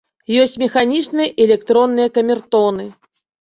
Ёсць механічныя і электронныя камертоны.